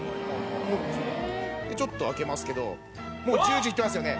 ちょっと開けますけどもうジュージューいってますよね。